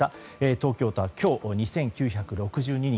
東京都は今日２９６２人。